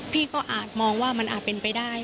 พี่ก็อาจมองว่ามันอาจเป็นไปได้